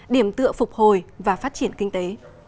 điểm tựa phục hồi và phát triển kinh tế